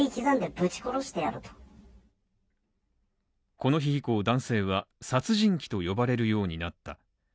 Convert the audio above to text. この日以降、男性は殺人鬼と呼ばれるようになった。